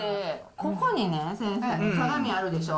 ここにね、先生、鏡あるでしょ。